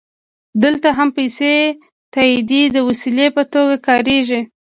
دلته هم پیسې د تادیې د وسیلې په توګه کارېږي